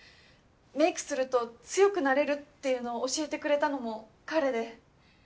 「メイクすると強くなれる」っていうのを教えてくれたのも彼で。